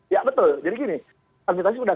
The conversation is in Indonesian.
ya betul jadi gini administrasi sudah